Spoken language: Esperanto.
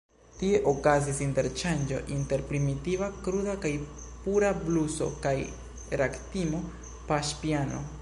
Tie okazis interŝanĝo inter primitiva, kruda kaj pura bluso kaj ragtimo-paŝpiano.